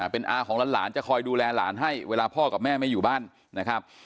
เป็นอาของหลานจะคอยดูแลหลานให้เวลาพ่อกับแม่ไม่อยู่บ้านนะครับ